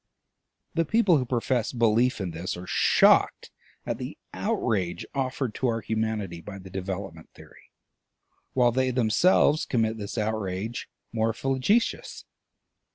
The people who profess belief in this are shocked at the outrage offered to our humanity by the Development Theory, while they themselves commit this outrage more flagitious.